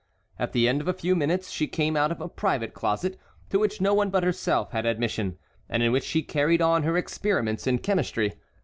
At the end of a few minutes she came out of a private closet, to which no one but herself had admission, and in which she carried on her experiments in chemistry.